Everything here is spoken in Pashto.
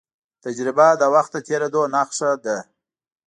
تجربه د وخت د تېرېدو نښه ده.